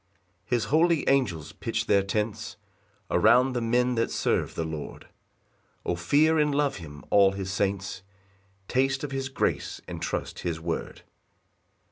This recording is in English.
6 His holy angels pitch their tents Around the men that serve the Lord; O fear and love him, all his saints, Taste of his grace and trust his word.